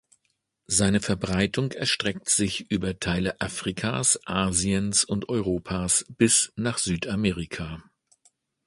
Seine Verbreitung erstreckt sich über Teile Afrikas, Asiens und Europas bis nach Südamerika.